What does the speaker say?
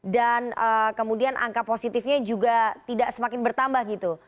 dan kemudian angka positifnya juga tidak semakin bertambah gitu